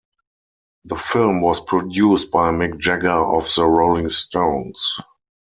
The film was produced by Mick Jagger of the Rolling Stones.